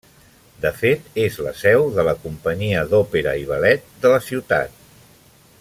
De fet, és la seu de la companyia d'òpera i ballet de la ciutat.